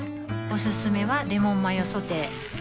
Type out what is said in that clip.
おすすめはレモンマヨソテー